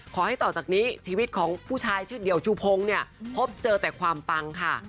ขอให้ต่อจากนี้ชีวิตของผู้ชายชื่อเดี่ยวชูพงศ์เนี่ยพบเจอแต่ความปังค่ะ